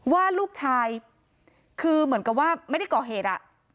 ว่าลูกชายคือเหมือนกับว่าไม่ได้ก่อเหตุ